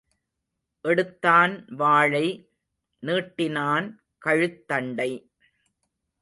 எடுத்தான் வாளை, நீட்டினான் கழுத்தண்டை.